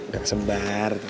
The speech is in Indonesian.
gak sebar tuh